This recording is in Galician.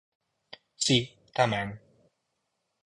Si, tamén.